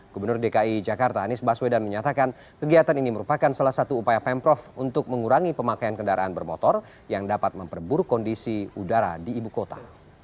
gubernur dki jakarta anies baswedan menyatakan kegiatan ini merupakan salah satu upaya pemprov untuk mengurangi pemakaian kendaraan bermotor yang dapat memperburuk kondisi udara di ibu kota